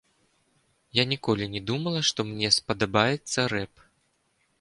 Я ніколі не думала, што мне спадабаецца рэп.